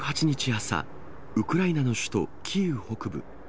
朝、ウクライナの首都キーウ北部。